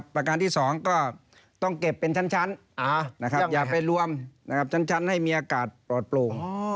ประการที่๒ก็ต้องเก็บเป็นชั้นอย่าไปรวมชั้นให้มีอากาศปลอดโปร่ง